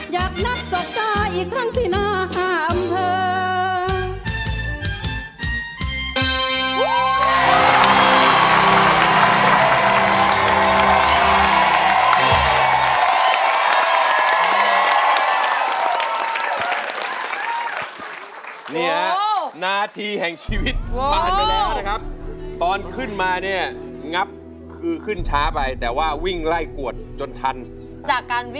อยากนัดจบตาอีกครั้งที่หน้าห้ามเธอ